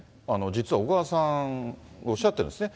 実は小川さん、おっしゃってるんですね。